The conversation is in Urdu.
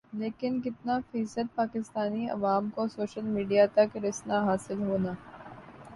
لیکن کِتنا فیصد پاکستانی عوام کو سوشل میڈیا تک رسنا حاصل ہونا